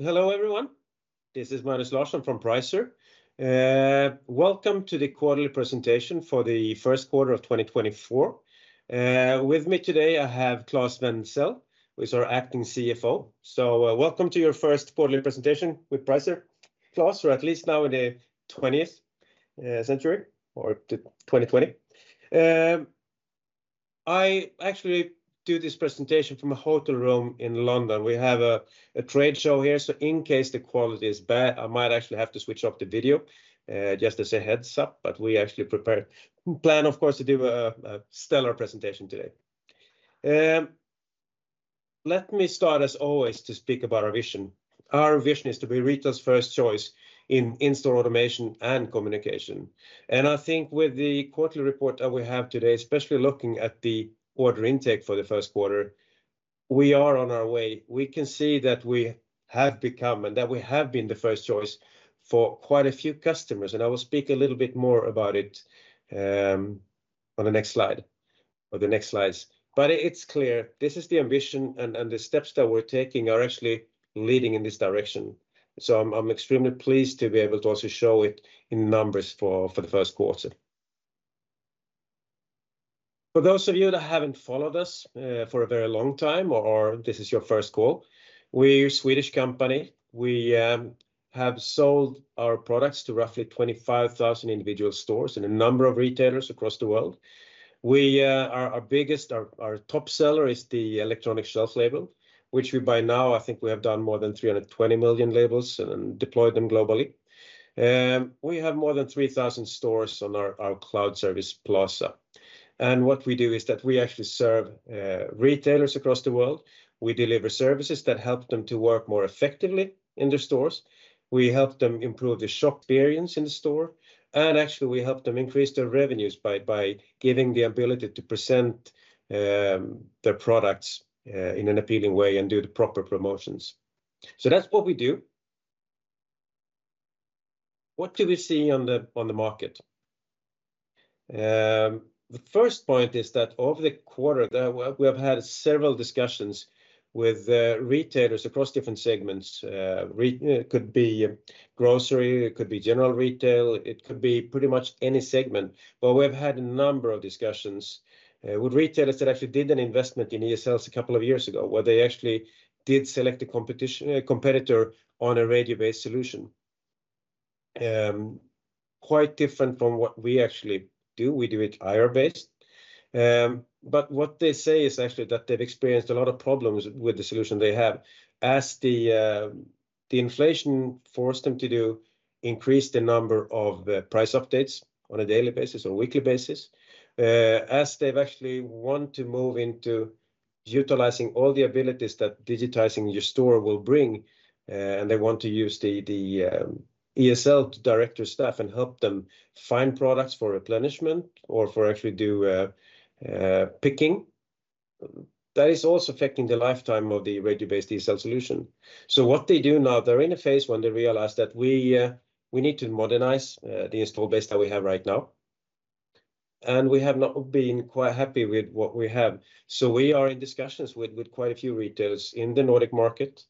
Hello, everyone, this is Magnus Larsson from Pricer. Welcome to the quarterly presentation for the first quarter of 2024. With me today I have Claes Wenthzel, who is our acting CFO. So, welcome to your first quarterly presentation with Pricer. Claes, we're at least now in the 20th century, or 2020. I actually do this presentation from a hotel room in London. We have a trade show here, so in case the quality is bad, I might actually have to switch off the video, just as a heads-up, but we actually prepare plan, of course, to do a stellar presentation today. Let me start, as always, to speak about our vision. Our vision is to be retail's first choice in in-store automation and communication. I think with the quarterly report that we have today, especially looking at the order intake for the first quarter, we are on our way. We can see that we have become and that we have been the first choice for quite a few customers, and I will speak a little bit more about it, on the next slide or the next slides. But it's clear this is the ambition, and the steps that we're taking are actually leading in this direction. So I'm extremely pleased to be able to also show it in numbers for the first quarter. For those of you that haven't followed us for a very long time, or this is your first call, we're a Swedish company. We have sold our products to roughly 25,000 individual stores and a number of retailers across the world. Our biggest, our top seller is the electronic shelf label, which we by now I think we have done more than 320 million labels and deployed them globally. We have more than 3,000 stores on our, our cloud service Plaza. And what we do is that we actually serve retailers across the world. We deliver services that help them to work more effectively in their stores. We help them improve the shop experience in the store. And actually, we help them increase their revenues by giving the ability to present their products in an appealing way and do the proper promotions. So that's what we do. What do we see on the market? The first point is that over the quarter we have had several discussions with retailers across different segments. There could be grocery, it could be general retail, it could be pretty much any segment. But we have had a number of discussions with retailers that actually did an investment in ESLs a couple of years ago, where they actually did select a competitor on a radio-based solution, quite different from what we actually do. We do it IR-based. But what they say is actually that they've experienced a lot of problems with the solution they have. As the inflation forced them to do increase the number of price updates on a daily basis or weekly basis, as they've actually want to move into utilizing all the abilities that digitizing your store will bring, and they want to use the ESL director staff and help them find products for replenishment or for actually do picking, that is also affecting the lifetime of the radio-based ESL solution. So what they do now, they're in a phase when they realize that we need to modernize the installed base that we have right now. We have not been quite happy with what we have. We are in discussions with quite a few retailers in the Nordic market,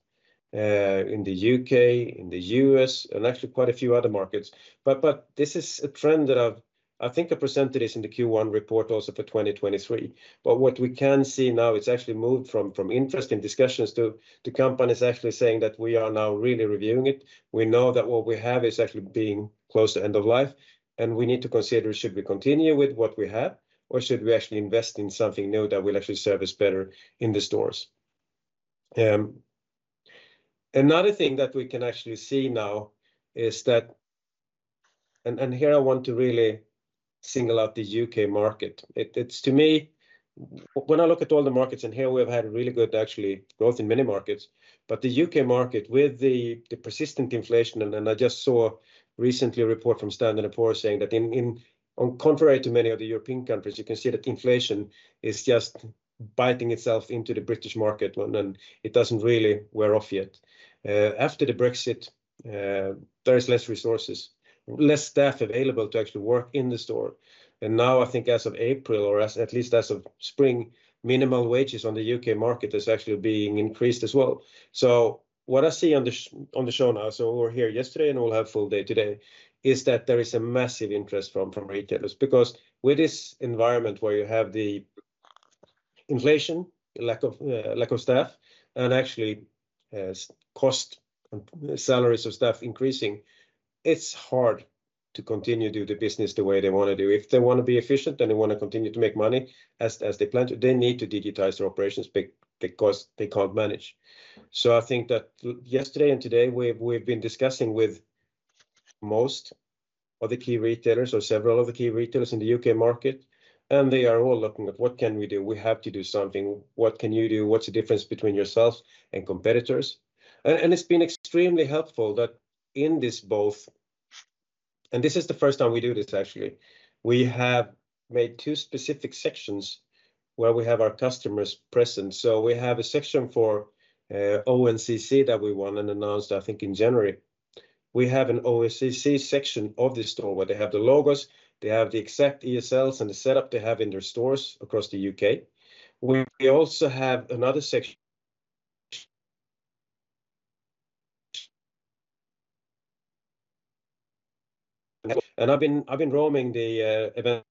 in the U.K., in the U.S., and actually quite a few other markets. But this is a trend that I think I presented this in the Q1 report also for 2023. But what we can see now, it's actually moved from interest in discussions to companies actually saying that we are now really reviewing it. We know that what we have is actually being close to end of life, and we need to consider should we continue with what we have or should we actually invest in something new that will actually service better in the stores. Another thing that we can actually see now is that, and here I want to really single out the U.K. market. It's to me, when I look at all the markets and here we have had really good actually growth in many markets, but the U.K. market with the persistent inflation, and I just saw recently a report from Standard & Poor's saying that, on contrary to many of the European countries, you can see that inflation is just biting itself into the British market, and it doesn't really wear off yet. After the Brexit, there's less resources, less staff available to actually work in the store. And now I think as of April or at least as of spring, minimum wages on the U.K. market is actually being increased as well. So what I see on the show now, so we were here yesterday and we'll have full day today, is that there is a massive interest from, from retailers because with this environment where you have the inflation, lack of, lack of staff, and actually, cost and salaries of staff increasing, it's hard to continue to do the business the way they want to do. If they want to be efficient and they want to continue to make money as, as they plan to, they need to digitize their operations because they can't manage. So I think that yesterday and today we've been discussing with most of the key retailers or several of the key retailers in the U.K. market, and they are all looking at what can we do? We have to do something. What can you do? What's the difference between yourselves and competitors? And it's been extremely helpful that in this booth, and this is the first time we do this actually. We have made two specific sections where we have our customers present. So we have a section for O&CC that we won and announced, I think, in January. We have an O&CC section of the store where they have the logos, they have the exact ESLs and the setup they have in their stores across the U.K. We also have another section. And I've been roaming the event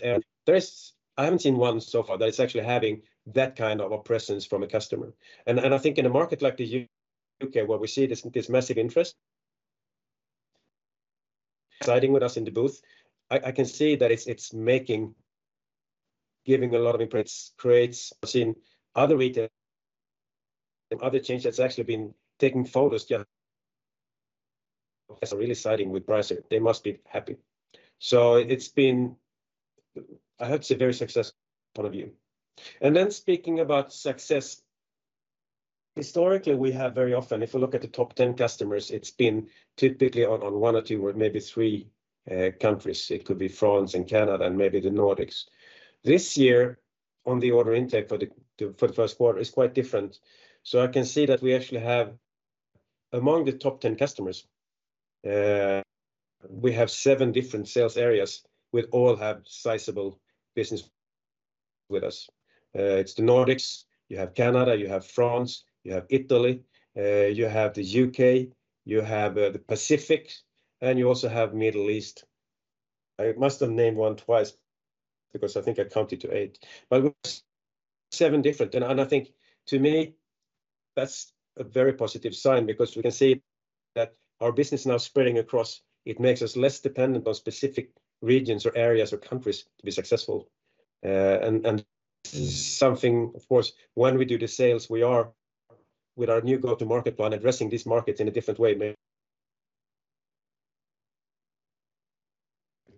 area. There is. I haven't seen one so far that is actually having that kind of a presence from a customer. And I think in a market like the UK where we see this massive interest siding with us in the booth, I can see that it's making giving a lot of impressions. It creates. Seen other retail other chains that's actually been taking photos just are really siding with Pricer. They must be happy. So it's been. I hope it's a very successful point of view. And then speaking about success, historically we have very often if we look at the top 10 customers, it's been typically on one or two or maybe three countries. It could be France and Canada and maybe the Nordics. This year on the order intake for the first quarter is quite different. So I can see that we actually have among the top 10 customers, we have seven different sales areas with all have sizable business with us. It's the Nordics. You have Canada, you have France, you have Italy, you have the UK, you have the Pacific, and you also have Middle East. I must have named one twice because I think I counted to eight. But we're seven different. And, and I think to me that's a very positive sign because we can see that our business now spreading across, it makes us less dependent on specific regions or areas or countries to be successful. And, and something, of course, when we do the sales, we are with our new go-to-market plan addressing these markets in a different way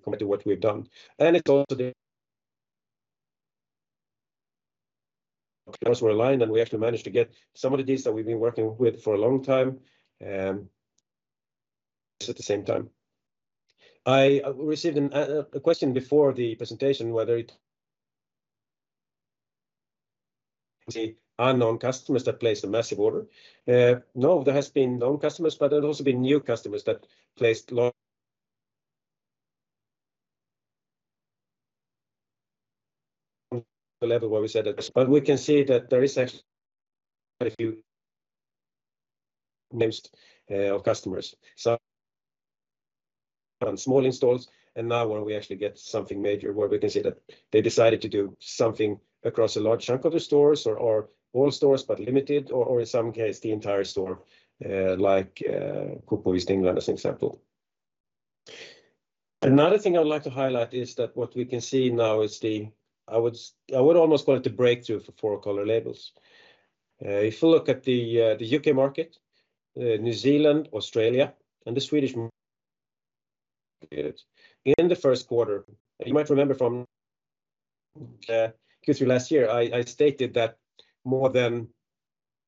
compared to what we've done. It's also the customers were aligned, and we actually managed to get some of the deals that we've been working with for a long time, at the same time. I received a question before the presentation whether it are known customers that placed a massive order. No, there has been known customers, but there have also been new customers that placed long the level where we said that. But we can see that there is actually quite a few names of customers. Some small installs, and now where we actually get something major where we can see that they decided to do something across a large chunk of the stores or all stores, but limited or in some case the entire store, like East of England Co-op as an example. Another thing I would like to highlight is that what we can see now is I would almost call it the breakthrough for four-color labels. If we look at the U.K. market, New Zealand, Australia, and the Swedish market in the first quarter, you might remember from Q3 last year, I stated that more than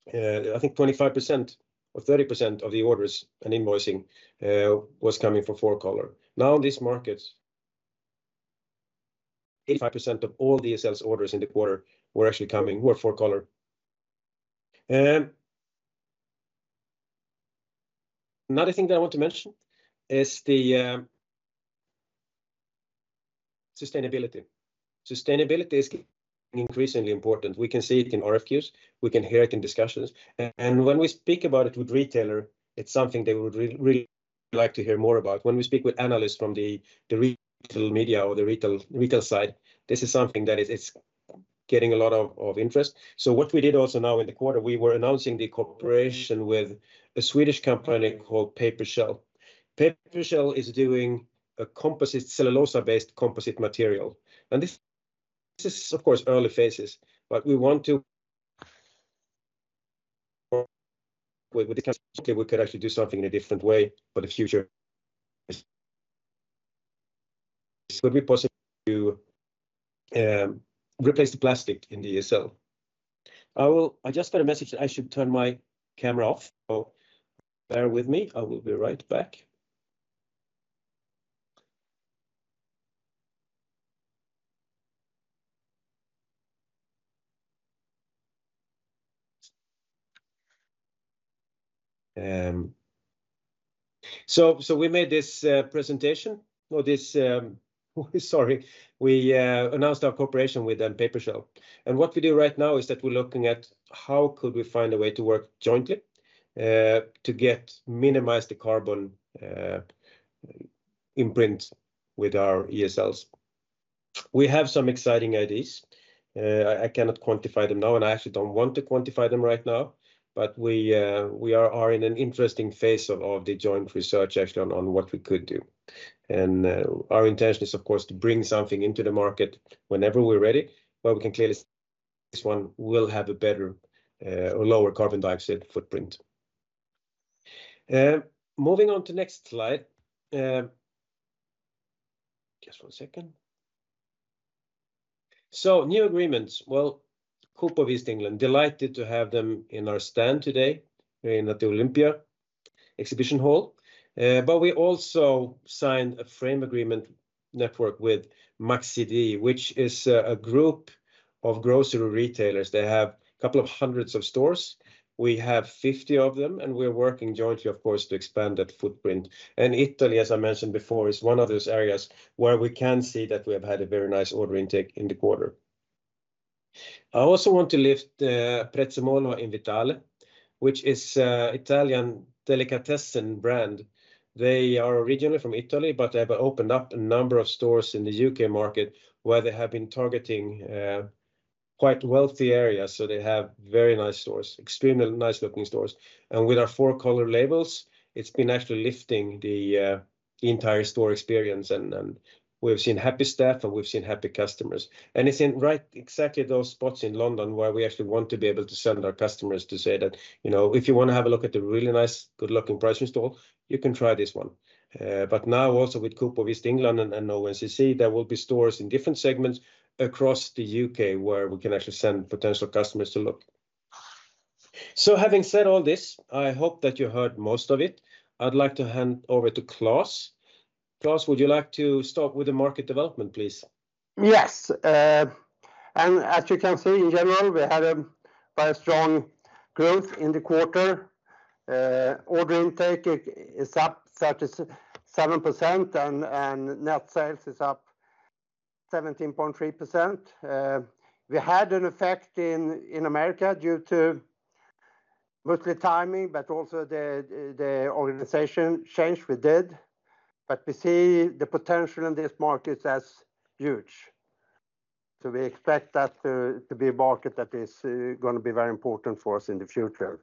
I think 25% or 30% of the orders and invoicing was coming from four-color. Now in these markets, 85% of all ESLs orders in the quarter were actually coming four-color. Another thing that I want to mention is the sustainability. Sustainability is increasingly important. We can see it in RFQs. We can hear it in discussions. And when we speak about it with retailer, it's something they would really, really like to hear more about. When we speak with analysts from the retail media or the retail side, this is something that is, it's getting a lot of interest. So what we did also now in the quarter, we were announcing the cooperation with a Swedish company called PaperShell. PaperShell is doing a composite cellulose-based material. And this is of course early phases, but we want to with this kind of we could actually do something in a different way for the future. It would be possible to replace the plastic in the ESL. I just got a message that I should turn my camera off. So bear with me. I will be right back. So we made this presentation or this, sorry. We announced our cooperation with PaperShell. And what we do right now is that we're looking at how could we find a way to work jointly, to get minimized the carbon imprint with our ESLs. We have some exciting ideas. I, I cannot quantify them now, and I actually don't want to quantify them right now. But we, we are are in an interesting phase of, of the joint research actually on, on what we could do. And, our intention is of course to bring something into the market whenever we're ready, where we can clearly say this one will have a better, or lower carbon dioxide footprint. Moving on to next slide. Just one second. So new agreements. Well, East of England Co-op, delighted to have them in our stand today here in the Olympia exhibition hall. But we also signed a frame agreement with Maxi Di, which is a group of grocery retailers. They have a couple of hundreds of stores. We have 50 of them, and we are working jointly, of course, to expand that footprint. Italy, as I mentioned before, is one of those areas where we can see that we have had a very nice order intake in the quarter. I also want to lift Prezzemolo & Vitale, which is Italian delicatessen brand. They are originally from Italy, but they have opened up a number of stores in the U.K. market where they have been targeting quite wealthy areas. So they have very nice stores, extremely nice looking stores. With our four-color labels, it's been actually lifting the entire store experience. And we've seen happy staff and we've seen happy customers. And it's in right exactly those spots in London where we actually want to be able to send our customers to say that, you know, if you want to have a look at the really nice, good looking Pricer install, you can try this one. But now also with East of England Co-op and, and O&CC, there will be stores in different segments across the UK where we can actually send potential customers to look. So having said all this, I hope that you heard most of it. I'd like to hand over to Claes. Claes, would you like to start with the market development, please? Yes. And as you can see in general, we had a very strong growth in the quarter. Order intake is up 37% and, and net sales is up 17.3%. We had an effect in America due to mostly timing, but also the organization change we did. But we see the potential in this market as huge. So we expect that to be a market that is going to be very important for us in the future.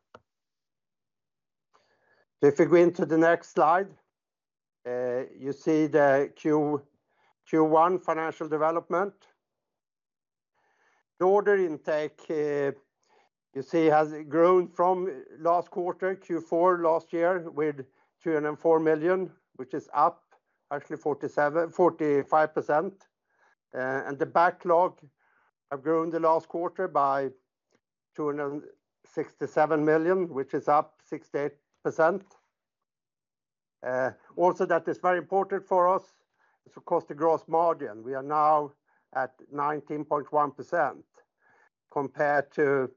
So if we go into the next slide, you see the Q1 financial development. The order intake, you see has grown from last quarter, Q4 last year with 204 million, which is up actually 47%-45%. And the backlog have grown the last quarter by 267 million, which is up 68%. Also that is very important for us. So cost of gross margin, we are now at 19.1% compared to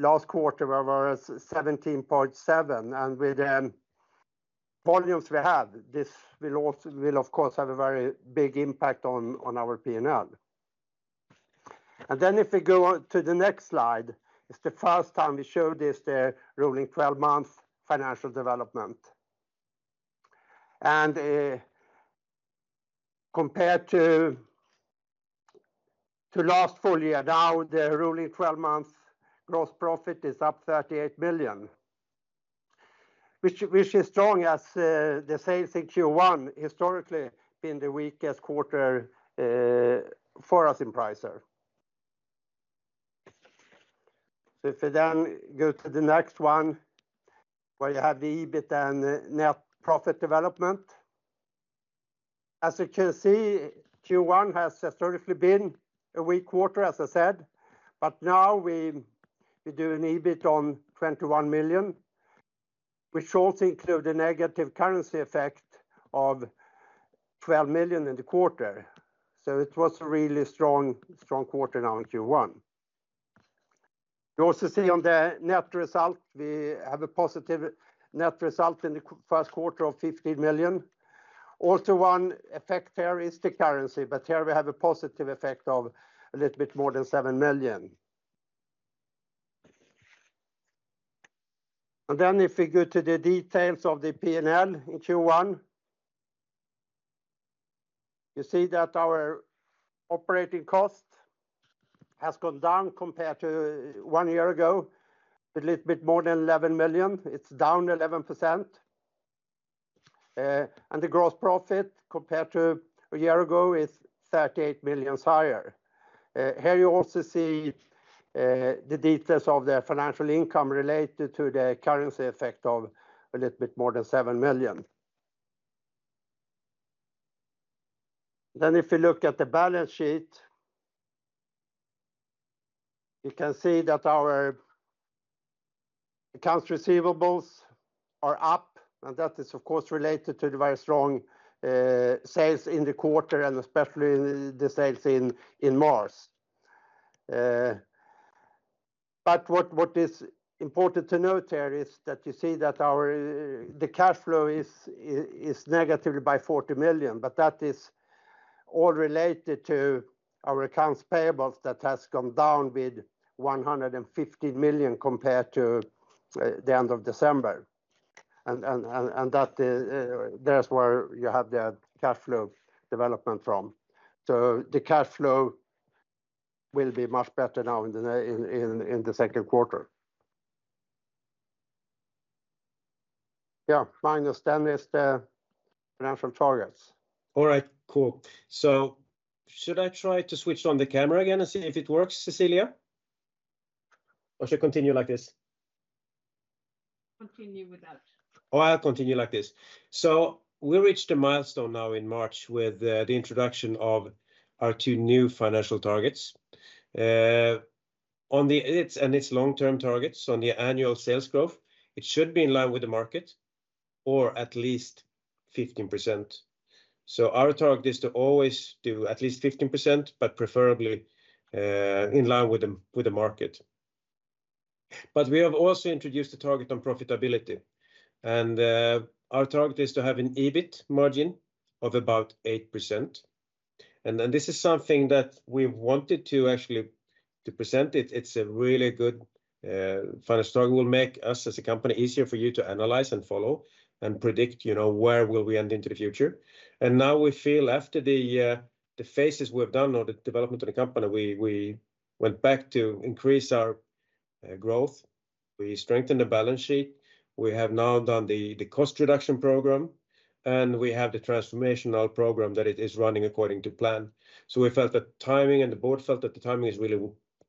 last quarter where we were at 17.7%. And with the volumes we have, this will also of course have a very big impact on our P&L. Then if we go to the next slide, it's the first time we showed this, the rolling 12-month financial development. Compared to last full year, now the rolling 12-month gross profit is up 38 million, which is strong as the sales in Q1 historically been the weakest quarter for us in Pricer. So if we then go to the next one where you have the EBIT and net profit development. As you can see, Q1 has historically been a weak quarter, as I said. But now we do an EBIT on 21 million, which also includes a negative currency effect of 12 million in the quarter. So it was a really strong, strong quarter now in Q1. You also see on the net result, we have a positive net result in the first quarter of 15 million. Also one effect here is the currency, but here we have a positive effect of a little bit more than 7 million. Then if we go to the details of the P&L in Q1, you see that our operating cost has gone down compared to one year ago with a little bit more than 11 million. It's down 11%. And the gross profit compared to a year ago is 38 million higher. Here you also see the details of the financial income related to the currency effect of a little bit more than 7 million. Then if we look at the balance sheet, you can see that our accounts receivables are up, and that is of course related to the very strong sales in the quarter and especially the sales in March. But what is important to note here is that you see that our cash flow is negative by 40 million, but that is all related to our accounts payables that has gone down with 115 million compared to the end of December. And that is where you have the cash flow development from. So the cash flow will be much better now in the second quarter. Yeah, -10 is the financial targets. All right, Cool. So should I try to switch on the camera again and see if it works, Cecilia? Or should I continue like this? Continue without. Oh, I'll continue like this. So we reached a milestone now in March with the introduction of our two new financial targets on the IT and its long-term targets. So on the annual sales growth, it should be in line with the market or at least 15%. So our target is to always do at least 15%, but preferably in line with the market. But we have also introduced a target on profitability. Our target is to have an EBIT margin of about 8%. And this is something that we wanted to actually present. It's a really good financial target. It will make us as a company easier for you to analyze and follow and predict, you know, where will we end into the future. Now we feel after the phases we've done or the development of the company, we went back to increase our growth. We strengthened the balance sheet. We have now done the cost reduction program, and we have the transformational program that it is running according to plan. So we felt that timing and the board felt that the timing is really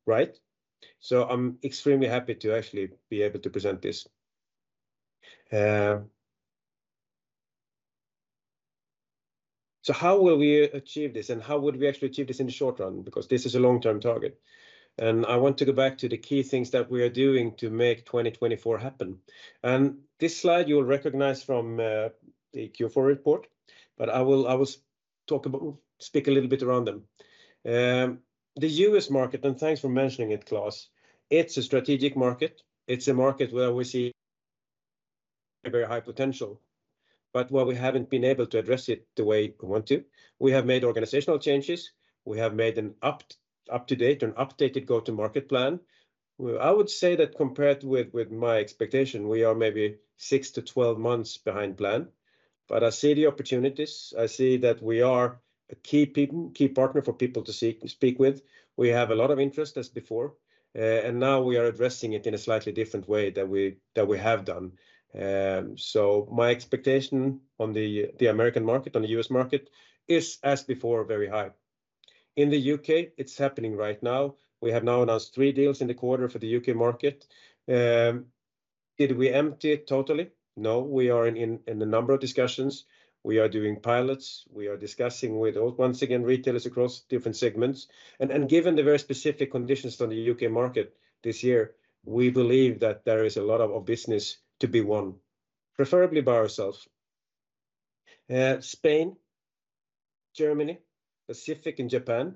right. So I'm extremely happy to actually be able to present this. So how will we achieve this and how would we actually achieve this in the short run? Because this is a long-term target. And I want to go back to the key things that we are doing to make 2024 happen. And this slide you will recognize from the Q4 report, but I will speak a little bit around them. The U.S. market, and thanks for mentioning it, Claes, it's a strategic market. It's a market where we see a very high potential, but where we haven't been able to address it the way we want to. We have made organizational changes. We have made an up-to-date and updated go-to-market plan. I would say that compared with my expectation, we are maybe 6-12 months behind plan. But I see the opportunities. I see that we are a key partner for people to speak with. We have a lot of interest as before. And now we are addressing it in a slightly different way than we have done. So my expectation on the American market, on the U.S. market, is as before very high. In the U.K., it's happening right now. We have now announced three deals in the quarter for the U.K. market. Did we empty it totally? No, we are in a number of discussions. We are doing pilots. We are discussing once again with retailers across different segments. Given the very specific conditions on the U.K. market this year, we believe that there is a lot of business to be won, preferably by ourselves. Spain, Germany, Pacific and Japan,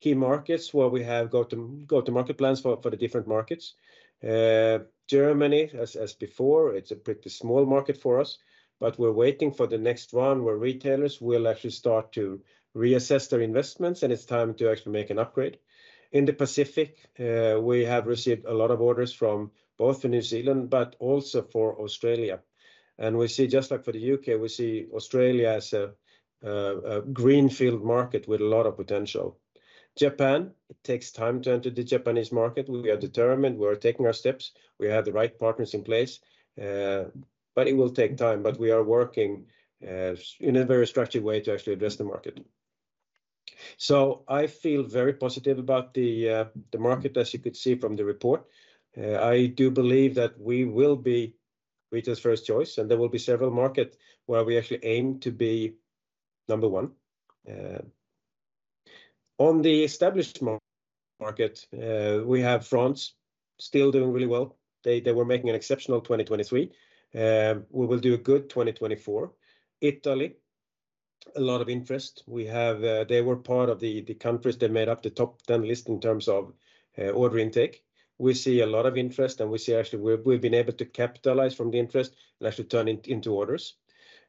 key markets where we have go-to-market plans for the different markets. Germany as before, it's a pretty small market for us, but we're waiting for the next run where retailers will actually start to reassess their investments and it's time to actually make an upgrade. In the Pacific, we have received a lot of orders from both New Zealand, but also for Australia. And we see just like for the U.K., we see Australia as a greenfield market with a lot of potential. Japan, it takes time to enter the Japanese market. We are determined. We are taking our steps. We have the right partners in place. But it will take time. But we are working in a very structured way to actually address the market. So I feel very positive about the market as you could see from the report. I do believe that we will be retail's first choice and there will be several markets where we actually aim to be number one. On the established market, we have France still doing really well. They were making an exceptional 2023. We will do a good 2024. Italy, a lot of interest. They were part of the countries that made up the top 10 list in terms of order intake. We see a lot of interest and we see actually we've been able to capitalize from the interest and actually turn it into orders.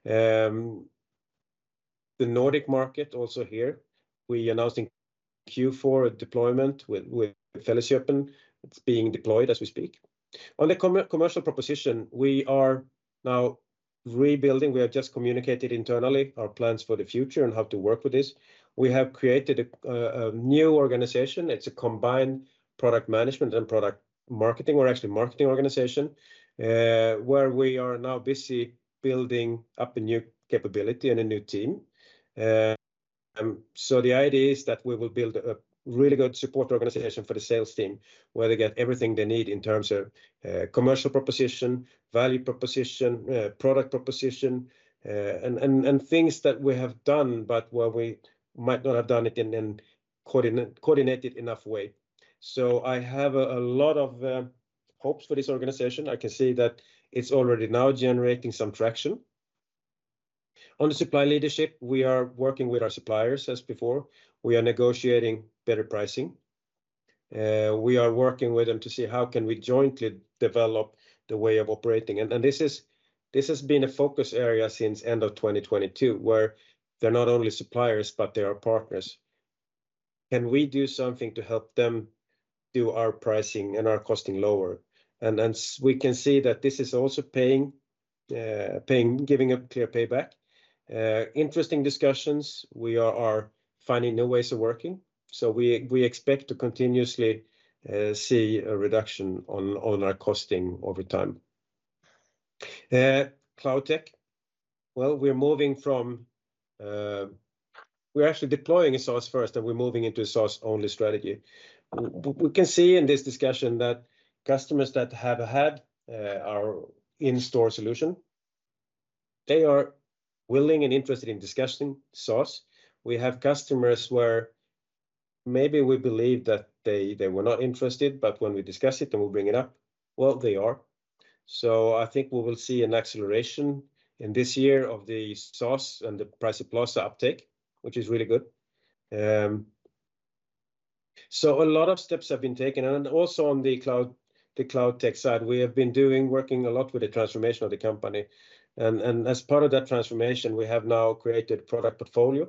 The Nordic market, also here, we announced in Q4 a deployment with Felleskjøpet. It's being deployed as we speak. On the commercial proposition, we are now rebuilding. We have just communicated internally our plans for the future and how to work with this. We have created a new organization. It's a combined product management and product marketing, or actually marketing, organization, where we are now busy building up a new capability and a new team. And so the idea is that we will build a really good support organization for the sales team where they get everything they need in terms of commercial proposition, value proposition, product proposition, and things that we have done but where we might not have done it in a coordinated enough way. So I have a lot of hopes for this organization. I can see that it's already now generating some traction. On the supply leadership, we are working with our suppliers as before. We are negotiating better pricing. We are working with them to see how can we jointly develop the way of operating. This has been a focus area since end of 2022 where they're not only suppliers but they are partners. Can we do something to help them do our pricing and our costing lower? We can see that this is also paying giving a clear payback. Interesting discussions. We are finding new ways of working. So we expect to continuously see a reduction on our costing over time. CloudTech, well, we're moving from, we're actually deploying a SaaS first and we're moving into a SaaS-only strategy. We can see in this discussion that customers that have had our in-store solution, they are willing and interested in discussing SaaS. We have customers where maybe we believe that they were not interested, but when we discuss it and we'll bring it up, well, they are. So I think we will see an acceleration in this year of the SaaS and the Pricer Plaza uptake, which is really good. So a lot of steps have been taken. And also on the cloud, the cloud tech side, we have been working a lot with the transformation of the company. And as part of that transformation, we have now created a product portfolio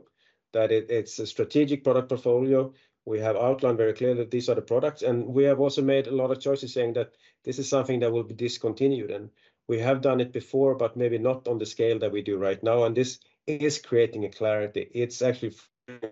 that it's a strategic product portfolio. We have outlined very clearly that these are the products. And we have also made a lot of choices saying that this is something that will be discontinued. And we have done it before, but maybe not on the scale that we do right now. And this is creating a clarity. It's actually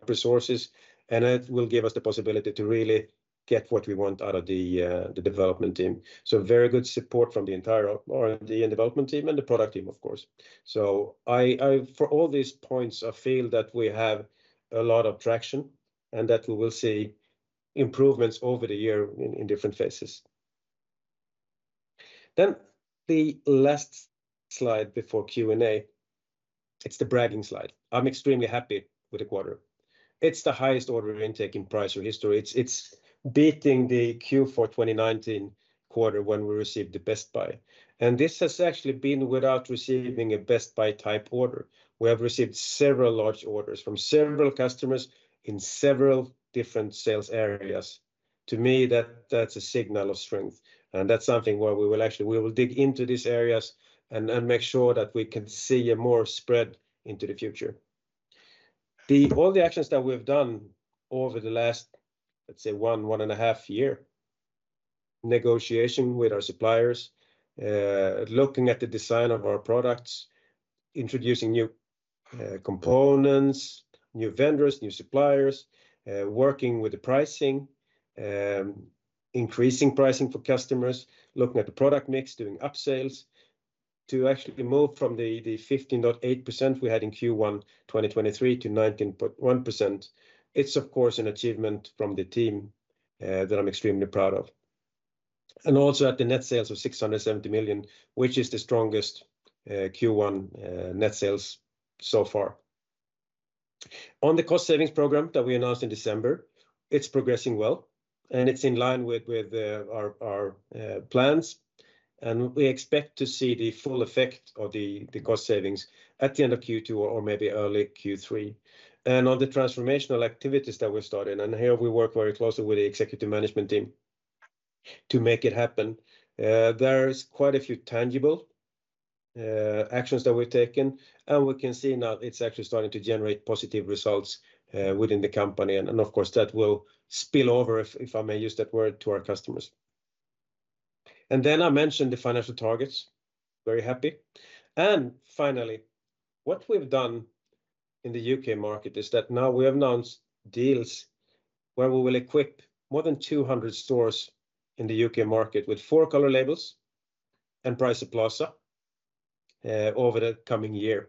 resources and it will give us the possibility to really get what we want out of the development team. So very good support from the entire R&D and development team and the product team, of course. So I for all these points, I feel that we have a lot of traction and that we will see improvements over the year in different phases. Then the last slide before Q&A, it's the bragging slide. I'm extremely happy with the quarter. It's the highest order intake in Pricer history. It's beating the Q4 2019 quarter when we received the Best Buy. And this has actually been without receiving a Best Buy type order. We have received several large orders from several customers in several different sales areas. To me, that's a signal of strength. And that's something where we will actually dig into these areas and make sure that we can see a more spread into the future. All the actions that we've done over the last, let's say, one and a half years, negotiation with our suppliers, looking at the design of our products, introducing new components, new vendors, new suppliers, working with the pricing, increasing pricing for customers, looking at the product mix, doing upsales to actually move from the 15.8% we had in Q1 2023 to 19.1%. It's, of course, an achievement from the team that I'm extremely proud of. And also, the net sales of 670 million, which is the strongest Q1 net sales so far. On the cost savings program that we announced in December, it's progressing well and it's in line with our plans. We expect to see the full effect of the cost savings at the end of Q2 or maybe early Q3. On the transformational activities that we've started, here we work very closely with the executive management team to make it happen. There's quite a few tangible actions that we've taken and we can see now it's actually starting to generate positive results within the company. Of course that will spill over, if I may use that word, to our customers. Then I mentioned the financial targets. Very happy. Finally, what we've done in the U.K. market is that now we have announced deals where we will equip more than 200 stores in the U.K. market with four-color labels and Pricer Plaza over the coming year.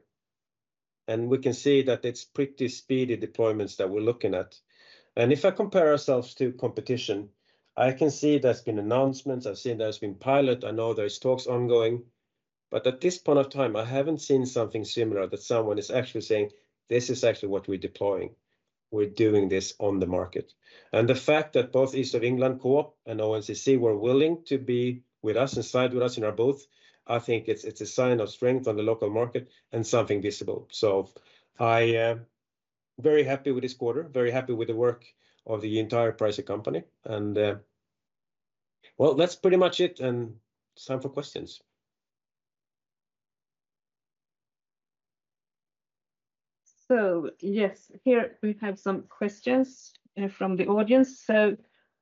We can see that it's pretty speedy deployments that we're looking at. And if I compare ourselves to competition, I can see there's been announcements. I've seen there's been pilot. I know there's talks ongoing, but at this point of time, I haven't seen something similar that someone is actually saying, "This is actually what we're deploying. We're doing this on the market." And the fact that both East of England Co-op and O&CC were willing to be with us and side with us in our booth, I think it's it's a sign of strength on the local market and something visible. So I am very happy with this quarter, very happy with the work of the entire Pricer company. And well, that's pretty much it and time for questions. So yes, here we have some questions from the audience. So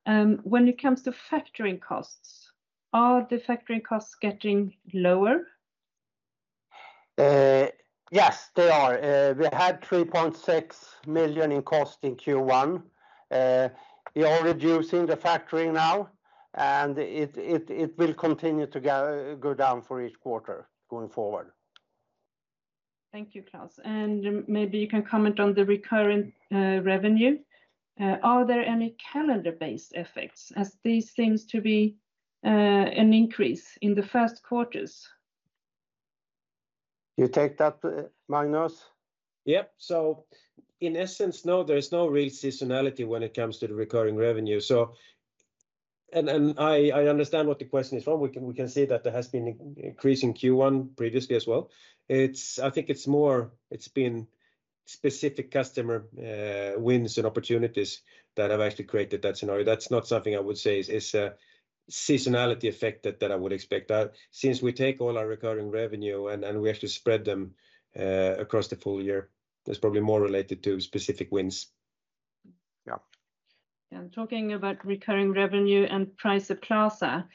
when it comes to factoring costs, are the factoring costs getting lower? Yes, they are. We had 3.6 million in cost in Q1. We are reducing the factoring now and it will continue to go down for each quarter going forward. Thank you, Claes. And maybe you can comment on the recurring revenue. Are there any calendar-based effects as this seems to be an increase in the first quarters? You take that, Magnus? Yep. So in essence, no, there's no real seasonality when it comes to the recurring revenue. So and I understand what the question is from. We can see that there has been an increase in Q1 previously as well. It's I think it's more it's been specific customer wins and opportunities that have actually created that scenario. That's not something I would say is a seasonality effect that I would expect. Since we take all our recurring revenue and we actually spread them across the full year, it's probably more related to specific wins. Yeah. And talking about recurring revenue and Pricer Plaza,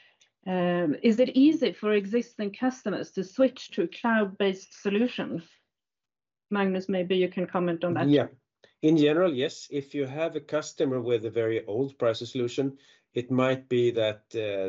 is it easy for existing customers to switch to a cloud-based solution? Magnus, maybe you can comment on that. Yeah. In general, yes. If you have a customer with a very old Pricer solution, it might be that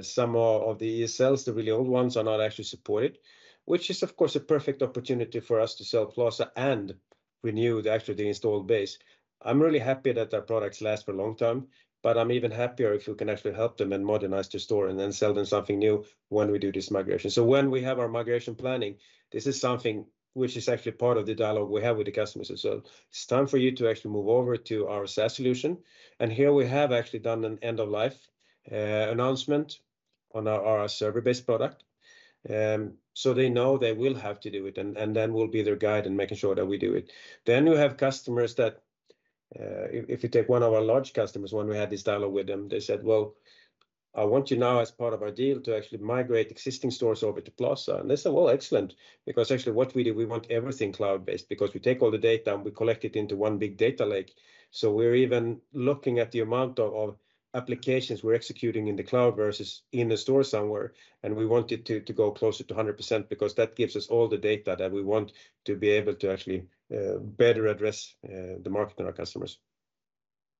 some of the ESLs, the really old ones, are not actually supported, which is of course a perfect opportunity for us to sell Pricer Plaza and renew the actually installed base. I'm really happy that our products last for a long time, but I'm even happier if we can actually help them and modernize their store and then sell them something new when we do this migration. So when we have our migration planning, this is something which is actually part of the dialogue we have with the customers as well. It's time for you to actually move over to our SaaS solution. And here we have actually done an end-of-life announcement on our server-based product. So they know they will have to do it and then we'll be their guide in making sure that we do it. Then we have customers that if you take one of our large customers, when we had this dialogue with them, they said, "Well, I want you now as part of our deal to actually migrate existing stores over to Plaza." And they said, "Well, excellent, because actually what we do, we want everything cloud-based because we take all the data and we collect it into one big data lake. So we're even looking at the amount of applications we're executing in the cloud versus in the store somewhere. And we want it to go closer to 100% because that gives us all the data that we want to be able to actually better address the market and our customers."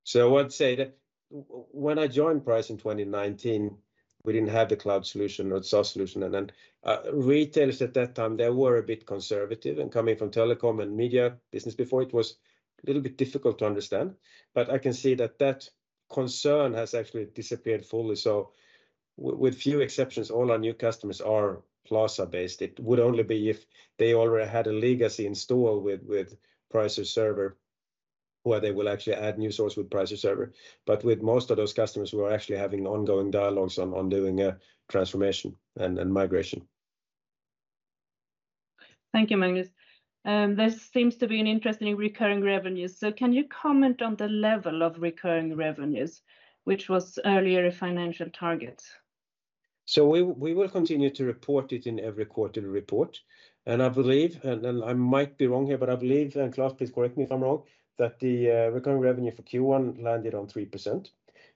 So I would say that when I joined Pricer in 2019, we didn't have the cloud solution or the SaaS solution. And then retailers at that time, they were a bit conservative and coming from telecom and media business before, it was a little bit difficult to understand. But I can see that concern has actually disappeared fully. So with few exceptions, all our new customers are cloud-based. It would only be if they already had a legacy installed with Pricer Server where they will actually add new stores with Pricer Server. But with most of those customers, we are actually having ongoing dialogues on doing a transformation and migration. Thank you, Magnus. There seems to be an interest in recurring revenues. So can you comment on the level of recurring revenues, which was earlier a financial target? So we will continue to report it in every quarterly report. And I believe, and I might be wrong here, but I believe, and Claes, please correct me if I'm wrong, that the recurring revenue for Q1 landed on 3%.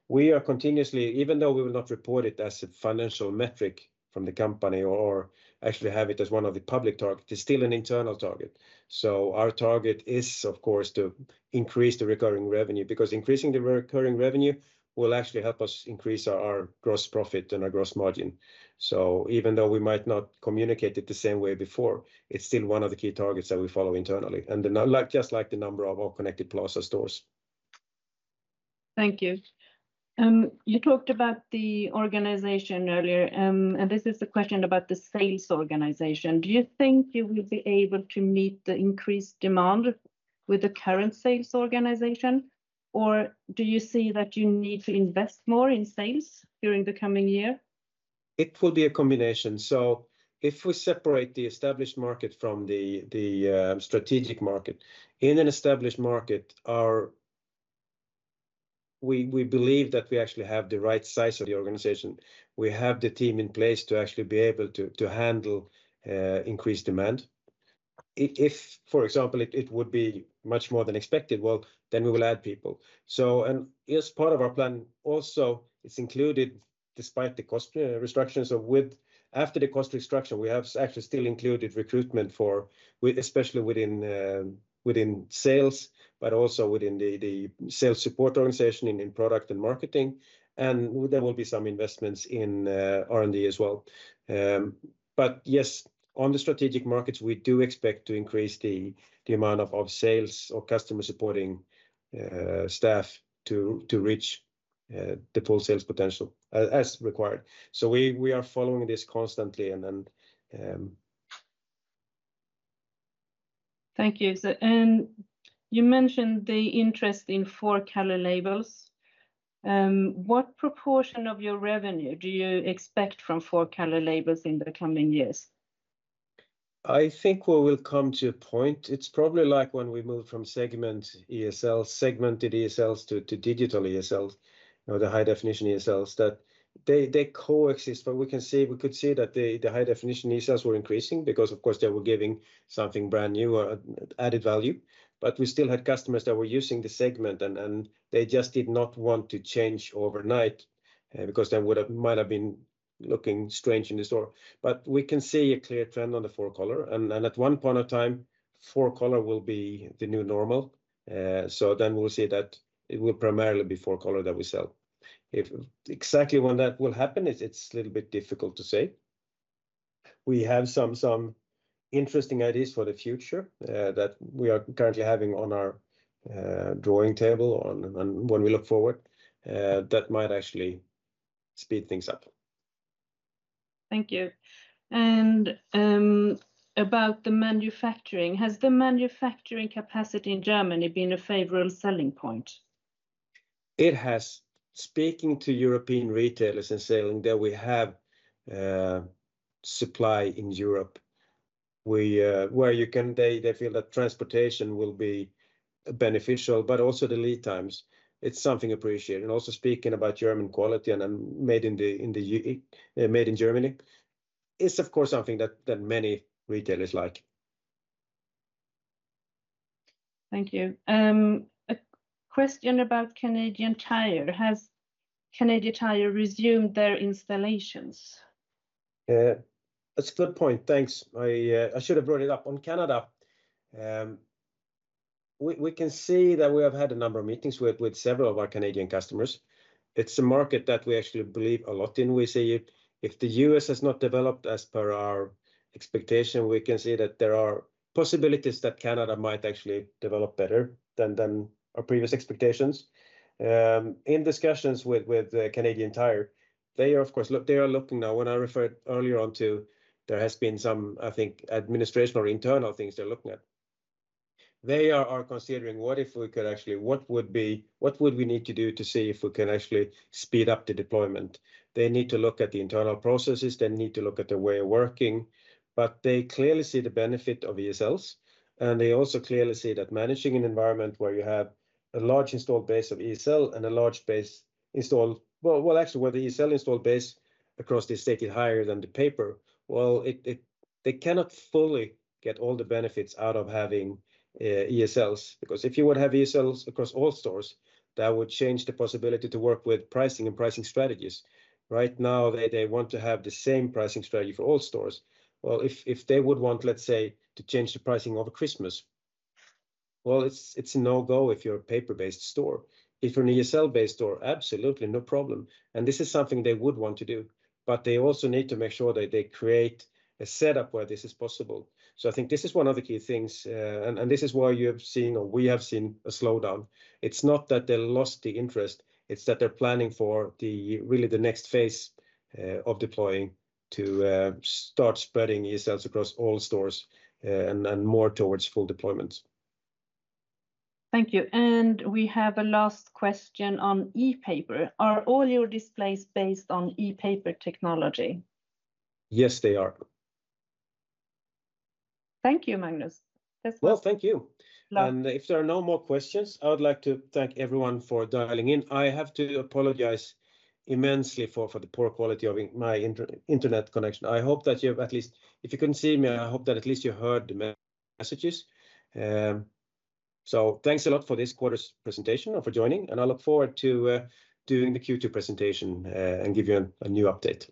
We are continuously, even though we will not report it as a financial metric from the company or actually have it as one of the public targets, it's still an internal target. So our target is, of course, to increase the recurring revenue because increasing the recurring revenue will actually help us increase our gross profit and our gross margin. So even though we might not communicate it the same way before, it's still one of the key targets that we follow internally. And, like, just like the number of our connected Plaza stores. Thank you. You talked about the organization earlier, and this is a question about the sales organization. Do you think you will be able to meet the increased demand with the current sales organization, or do you see that you need to invest more in sales during the coming year? It will be a combination. So if we separate the established market from the strategic market, in an established market, we believe that we actually have the right size of the organization. We have the team in place to actually be able to handle increased demand. If, for example, it would be much more than expected, well, then we will add people. So, and as part of our plan also, it's included, despite the cost restrictions. So, after the cost restriction, we have actually still included recruitment for, with especially within sales, but also within the sales support organization in product and marketing. There will be some investments in R&D as well. Yes, on the strategic markets, we do expect to increase the amount of sales or customer supporting staff to reach the full sales potential as required. So, we are following this constantly and then. Thank you. You mentioned the interest in Four-color labels. What proportion of your revenue do you expect from four-color labels in the coming years? I think we will come to a point. It's probably like when we moved from segment ESLs, segmented ESLs to digital ESLs or the high-definition ESLs that they coexist. But we can see that the high-definition ESLs were increasing because, of course, they were giving something brand new or added value. But we still had customers that were using the segment and they just did not want to change overnight because they might have been looking strange in the store. But we can see a clear trend on the four-color. And at one point of time, four-color will be the new normal. So then we'll see that it will primarily be four-color that we sell. It's a little bit difficult to say if exactly when that will happen. We have some interesting ideas for the future that we are currently having on our drawing table and when we look forward that might actually speed things up. Thank you. About the manufacturing, has the manufacturing capacity in Germany been a favorable selling point? It has. Speaking to European retailers and selling that we have supply in Europe where they feel that transportation will be beneficial, but also the lead times. It's something appreciated. Also speaking about German quality and then made in Germany, it's of course something that many retailers like. Thank you. A question about Canadian Tire. Has Canadian Tire resumed their installations? That's a good point. Thanks. I should have brought it up. On Canada, we can see that we have had a number of meetings with several of our Canadian customers. It's a market that we actually believe a lot in. We see if the US has not developed as per our expectation, we can see that there are possibilities that Canada might actually develop better than our previous expectations. In discussions with Canadian Tire, they are, of course, looking now. When I referred earlier to, there has been some, I think, administrative or internal things they're looking at. They are considering what we would need to do to see if we can actually speed up the deployment. They need to look at the internal processes. They need to look at the way of working. But they clearly see the benefit of ESLs. They also clearly see that managing an environment where you have a large installed base of ESL and a large base installed well, well actually where the ESL installed base across the state is higher than the paper, well, it they cannot fully get all the benefits out of having ESLs. Because if you would have ESLs across all stores, that would change the possibility to work with pricing and pricing strategies. Right now, they want to have the same pricing strategy for all stores. Well, if they would want, let's say, to change the pricing over Christmas, well, it's a no-go if you're a paper-based store. If you're an ESL-based store, absolutely, no problem. And this is something they would want to do. But they also need to make sure that they create a setup where this is possible. So I think this is one of the key things. And this is why you have seen or we have seen a slowdown. It's not that they lost the interest. It's that they're planning for really the next phase of deploying to start spreading ESLs across all stores and more towards full deployments. Thank you. And we have a last question on e-paper. Are all your displays based on e-paper technology? Yes, they are. Thank you, Magnus. That's all. Well, thank you. And if there are no more questions, I would like to thank everyone for dialing in. I have to apologize immensely for the poor quality of my internet connection. I hope that you've at least if you couldn't see me, I hope that at least you heard the messages. So thanks a lot for this quarter's presentation and for joining. I look forward to doing the Q2 presentation and give you a new update.